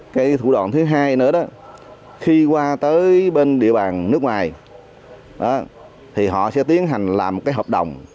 cái thủ đoạn thứ hai nữa đó khi qua tới bên địa bàn nước ngoài thì họ sẽ tiến hành làm một cái hợp đồng